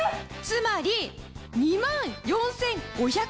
つまり２万４５００円引き。えっ！？